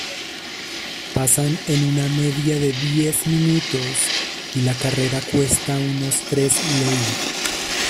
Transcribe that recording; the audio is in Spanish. Pasan en una media de diez minutos y la carrera cuesta unos tres lei.